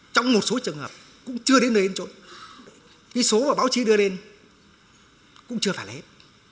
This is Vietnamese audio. trong một số trường hợp cũng chưa đến đến chỗ cái số mà báo chí đưa lên cũng chưa phải là hết